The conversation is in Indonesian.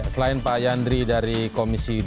selain pak yandri dari komisi ii dpr ri